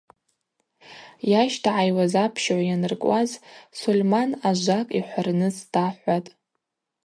Йащтагӏайуаз апщыгӏв йаныркӏуаз Сольман ажвакӏ йхӏварныс дахӏватӏ.